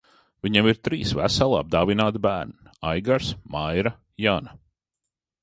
Viņam ir trīs veseli, apdāvināti bērni – Aigars, Maira, Jana.